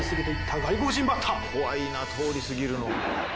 怖いな通り過ぎるの。